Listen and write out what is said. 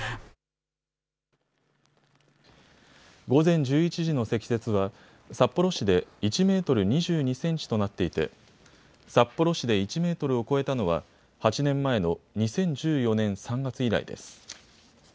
午前１１時の積雪は札幌市で１メートル２２センチとなっていて札幌市で１メートルを超えたのは８年前の２０１４年３月以来です。